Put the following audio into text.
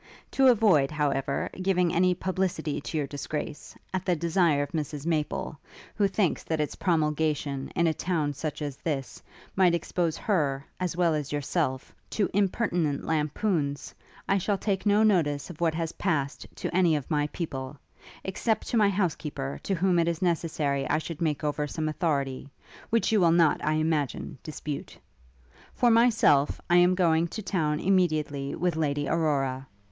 To avoid, however, giving any publicity to your disgrace, at the desire of Mrs Maple, who thinks that its promulgation, in a town such as this, might expose her, as well as yourself, to impertinent lampoons, I shall take no notice of what has passed to any of my people; except to my housekeeper, to whom it is necessary I should make over some authority, which you will not, I imagine, dispute. For myself, I am going to town immediately with Lady Aurora.